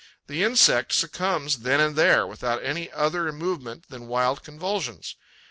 The insect succumbs then and there, without any other movement than wild convulsions.